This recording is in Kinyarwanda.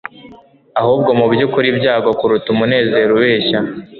Ahubwo mubyukuri ibyago kuruta umunezero ubeshya